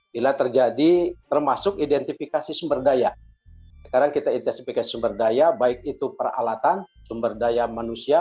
bila terjadi termasuk identifikasi sumber daya sekarang kita identifikasi sumber daya baik itu peralatan sumber daya manusia